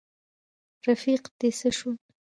رفیق دي څه شو.